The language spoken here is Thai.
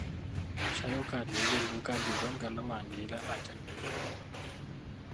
ใช้โอกาสนี้เรียนรู้การอยู่ร่วมกันระหว่างนี้และหลังจากนี้